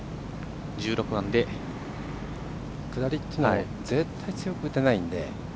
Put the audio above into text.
下りというのは絶対、強く打てないので。